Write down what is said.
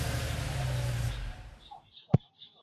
太守怀恨而将他捕拿。